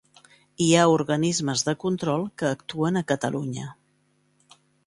Hi ha organismes de control que actuen a Catalunya.